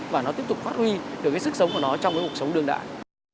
và nó tiếp tục phát huy được cái sức sống của nó trong cái cuộc sống đương đại